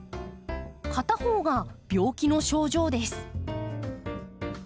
片方が病気の症状です。